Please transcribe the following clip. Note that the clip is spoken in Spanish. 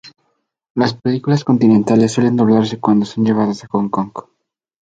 Las películas continentales suelen doblarse cuando son llevadas a Hong Kong.